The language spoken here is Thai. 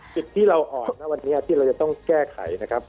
สิ่งที่เราอ่อนนะวันนี้ที่เราจะต้องแก้ไขนะครับ